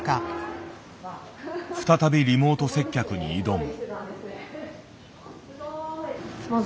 再びリモート接客に挑む。